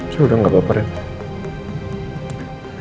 sudah gak apa apa reyna